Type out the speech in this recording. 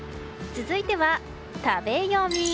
続いては、食べヨミ。